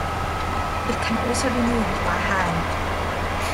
It can also be moved by hand.